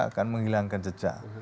akan menghilangkan jejak